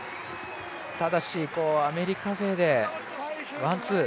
ただし、アメリカ勢でワン・ツー。